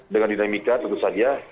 dengan dinamika tentu saja